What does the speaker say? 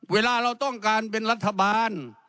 เวลาเราต้องการเป็นรัฐบาล